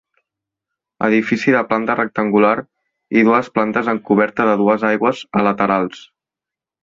Edifici de planta rectangular i dues plantes amb coberta de dues aigües a laterals.